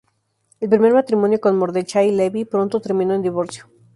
El primer matrimonio, con Mordechai Levy, pronto terminó en divorcio.